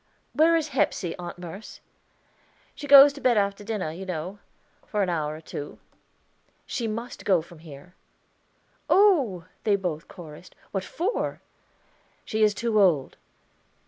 "Where is Hepsey, Aunt Merce?" "She goes to bed after dinner, you know, for an hour or two." "She must go from here." "Oh!" they both chorused, "what for?" "She is too old."